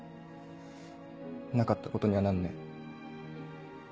なかったことにはなんねえ。